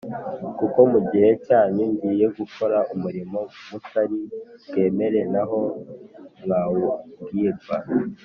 kuko mu gihe cyanyu ngiye gukora umurimo mutari bwemere naho mwawubwirwa